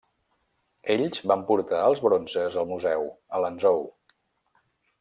Ells van portar els bronzes al museu a Lanzhou.